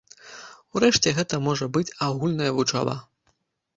Урэшце гэта можа быць агульная вучоба.